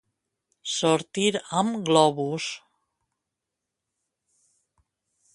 Sortir amb globus.